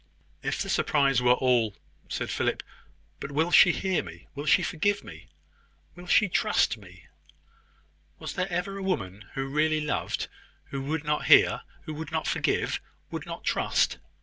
"If the surprise were all " said Philip. "But will she hear me? Will she forgive me? Will she trust me?" "Was there ever a woman who really loved who would not hear, would not forgive, would not trust?"